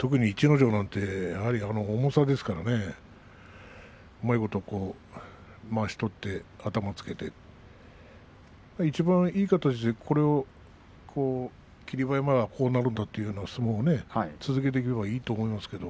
逸ノ城は、あの重さですからうまいことまわしを取って頭をつけて、いちばんいい形で霧馬山、こうなるんだという相撲を続けていけばいいと思うんですが。